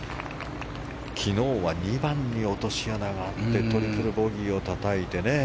昨日は２番に落とし穴があってトリプルボギーをたたいてね。